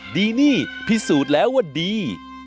ดีนี่พิสูจน์แล้วว่าดี